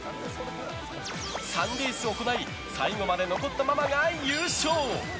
３レース行い最後まで残ったママが優勝！